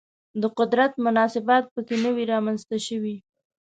د قدرت مناسبات په کې نه وي رامنځته شوي